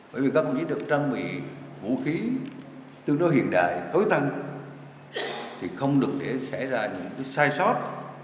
bởi vì các đồng chí được trang bị vũ khí tương đối hiện đại tối tăng thì không được để xảy ra những sai sót